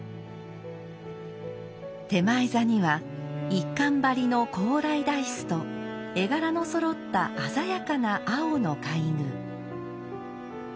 点前座には一閑張の高麗台子と絵柄のそろった鮮やかな青の皆具。